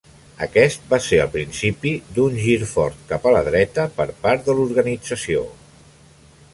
Aquest va ser el principi d'un gir fort cap a la dreta per part de l'organització.